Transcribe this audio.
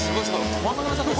止まんなくなっちゃった。